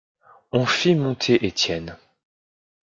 On fit monter Étienne.